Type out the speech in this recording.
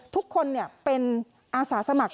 ทุกคนเป็นอาสาสมัคร